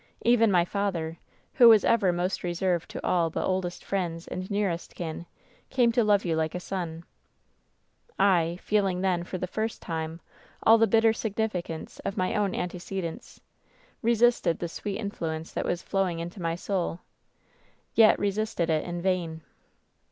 Even my father, who was ever most re ^: served to all but oldest friends and nearest kin, came to love you like a son. P "I — feeling then, for the first time, all the bitter sig^ '>^:'^^ I '( i ''"^:^ f 222 WHEN SHADOWS DIE nificance of my own antecedents — resisted the sweet in fluence that was flowing into my soul, yet — resisted it in vain